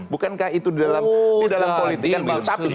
bukankah itu di dalam politik tapi sekali lagi